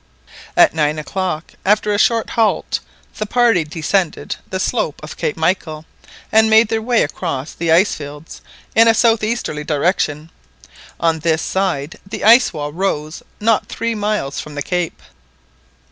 At nine o'clock, after a short halt, the party descended the slope of Cape Michael and made their way across the ice fields in a southeasterly direction. On this side the ice wall rose not three miles from the cape.